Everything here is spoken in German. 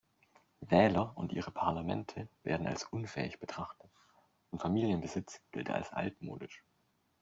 Wähler und ihre Parlamente werden als unfähig betrachtet, und Familienbesitz gilt als altmodisch.